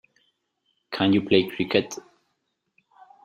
Can you play cricket?